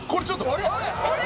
あれ？